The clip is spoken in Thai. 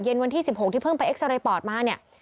วันที่๑๖ที่เพิ่งไปเอ็กซาเรย์ปอดมาเนี่ย